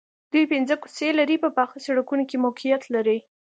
دوی پنځه کوڅې لرې په پاخه سړکونو کې موقعیت لري